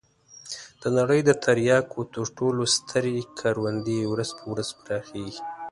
د نړۍ د تریاکو تر ټولو سترې کروندې ورځ په ورځ پراخېږي.